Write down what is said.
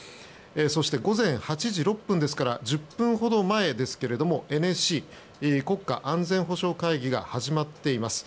そして午前８時６分ですから１０分ほど前ですがＮＳＣ・国家安全保障会議が始まっています。